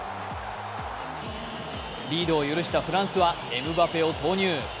リードを許したフランスはエムバペを投入。